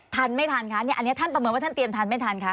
ทันไม่ทันคะเนี่ยอันนี้ท่านประเมินว่าท่านเตรียมทันไม่ทันคะ